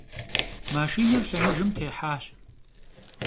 Maşşiner lhemıjjım têhaş.